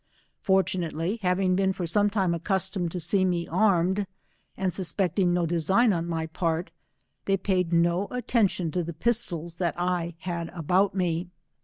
For tunately having been for some time accustomed to see me armed, and suspecting no design on my part, they paid no attention to the pistols that I had a bout me.